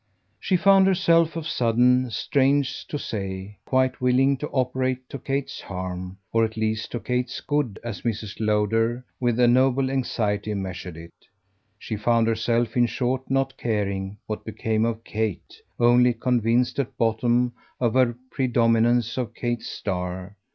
She found herself of a sudden, strange to say, quite willing to operate to Kate's harm, or at least to Kate's good as Mrs. Lowder with a noble anxiety measured it. She found herself in short not caring what became of Kate only convinced at bottom of the predominance of Kate's star.